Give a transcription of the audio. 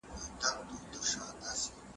خلک به یو ځای کار وکړي.